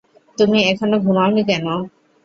তুমি এখনো ঘুমোওনি কেন?